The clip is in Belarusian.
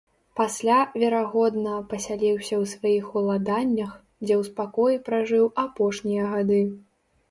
Пасля, верагодна, пасяліўся ў сваіх уладаннях, дзе ў спакоі пражыў апошнія гады.